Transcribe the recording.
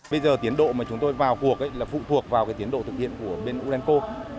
bây giờ tiến độ mà chúng tôi vào cuộc là phụ thuộc vào tiến độ thực hiện của bên urenco